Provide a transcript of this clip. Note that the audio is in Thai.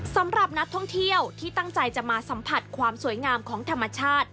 สำหรับนักท่องเที่ยวที่ตั้งใจจะมาสัมผัสความสวยงามของธรรมชาติ